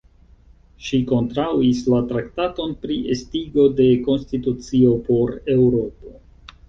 Ŝi kontraŭis la Traktaton pri Estigo de Konstitucio por Eŭropo.